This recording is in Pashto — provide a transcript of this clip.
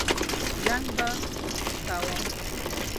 جنګ به کوم.